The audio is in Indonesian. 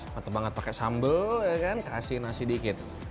matep banget pakai sambal ya kan kasih nasi dikit